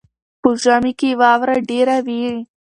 په ژمي کې واوره ډېره وي.